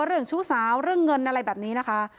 เรื่องชู้สาวเรื่องเงินอะไรแบบนี้นะคะ